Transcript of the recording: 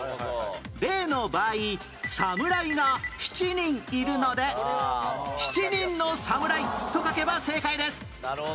例の場合侍が７人いるので『七人の侍』と書けば正解です